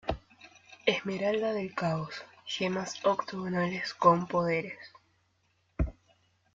Esmeralda del Caos: Gemas octogonales con poderes.